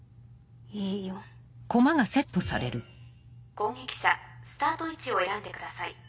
攻撃者スタート位置を選んでください。